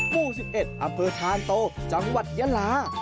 ภูสิบเอ็ดอำเภอทานโตจังหวัดเยลา